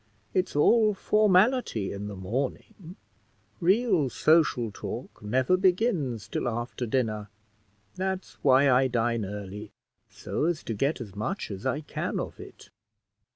It's all formality in the morning; real social talk never begins till after dinner. That's why I dine early, so as to get as much as I can of it."